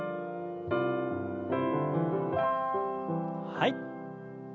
はい。